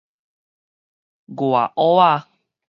外挖仔